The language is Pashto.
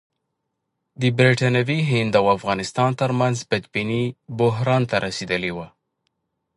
د برټانوي هند او افغانستان ترمنځ بدبیني بحران ته رسېدلې وه.